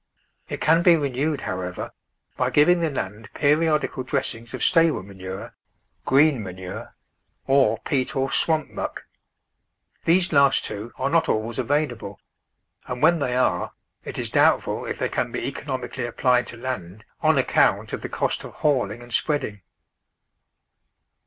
It can be renewed, however, by giving the land periodical dressings of stable manure, green manure, or peat or swamp muck. These last two are not always available, and when they are, it is doubtful if they can be economically applied to land on account of the cost of hauling and spreading.